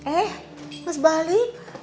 eh harus balik